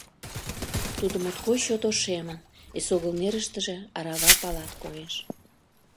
Тудо моткоч чот ошемын, эсогыл нерыштыже арава палат коеш.